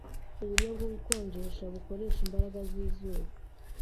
uburyo bwo gukonjesha bukoresha imbaraga z'izuba,